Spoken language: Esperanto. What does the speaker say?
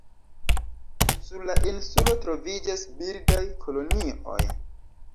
Sur la insulo troviĝas birdaj kolonioj.